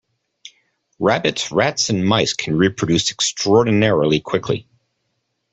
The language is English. Rabbits, rats and mice can reproduce extraordinarily quickly.